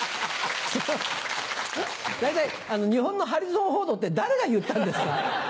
大体「日本のハリソン・フォード」って誰が言ったんですか？